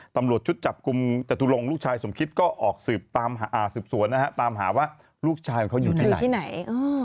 ตำรวจชุดจับกลุ่มจตุลงลูกชายสมคิตก็ออกสืบสวนนะฮะตามหาว่าลูกชายของเขาอยู่ที่ไหนที่ไหน